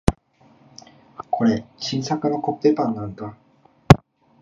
これ、新作のコッペパンなんだ。